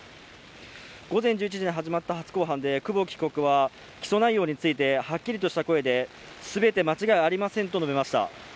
午前１１時に始まった初公判で久保木被告は起訴内容についてはっきりとした声ですべて間違いありませんと述べました